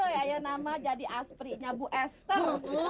ya ya nama jadi asprihnya bu esther